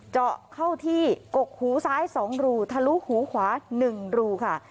เจาะเข้าที่กกหูซ้าย๒รูทะลุหูขวา๑รูค่ะ